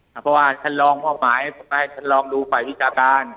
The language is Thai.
เพราะว่าฉันลองมอบหมายมอบหมายให้เขาดูฝ่ายพิจารณ์